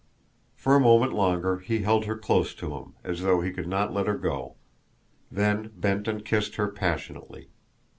For a moment longer he held her close to him, as though he could not let her go then bent and kissed her passionately.